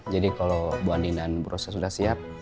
jadi kalau bu andi dan bro sudah siap